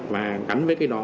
và gắn với cái đó